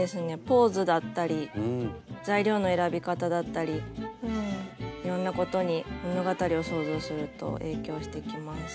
ポーズだったり材料の選び方だったりいろんなことに物語を想像すると影響してきます。